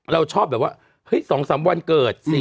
เราชอบแบบว่าเฮ้ย๒๓วันเกิด